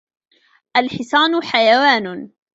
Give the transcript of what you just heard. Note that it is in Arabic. الحصان حيوان.